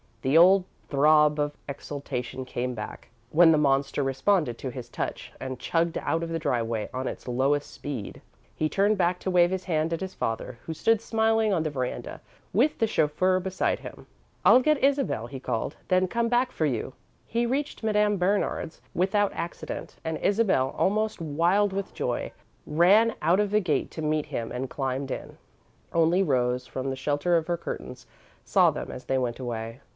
The old throb of exultation came back when the monster responded to his touch and chugged out of the driveway on its lowest speed. He turned back to wave his hand at his father, who stood smiling on the veranda, with the chauffeur beside him. "I'll get Isabel," he called, "then come back for you." He reached Madame Bernard's without accident and Isabel, almost wild with joy, ran out of the gate to meet him and climbed in. Only Rose, from the shelter of her curtains, saw them as they went away.